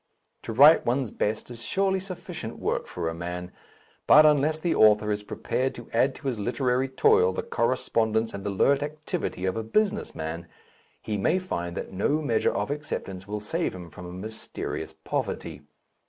To write one's best is surely sufficient work for a man, but unless the author is prepared to add to his literary toil the correspondence and alert activity of a business man, he may find that no measure of acceptance will save him from a mysterious poverty.